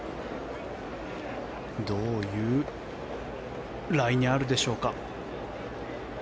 どういうライにあるでしょうか。